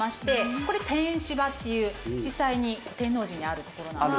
これ「てんしば」っていう実際に天王寺にある所なんです。